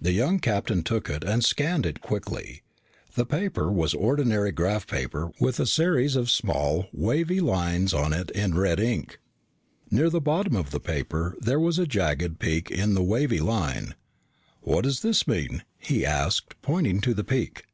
The young captain took it and scanned it quickly. The paper was ordinary graph paper with a series of small, wavy lines on it in red ink. Near the bottom of the paper, there was a jagged peak in the wavy line. "What does this mean?" he asked, pointing to the peak.